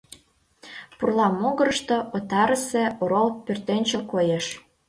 Пурла могырышто отарысе орол пӧртӧнчыл коеш.